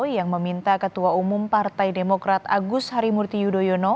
yang meminta ketua umum partai demokrat agus harimurti yudhoyono